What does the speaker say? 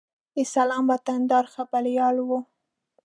د سلام وطندار خبریال و.